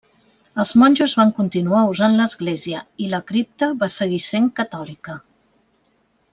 Els monjos van continuar usant l'església, i la cripta va seguir sent catòlica.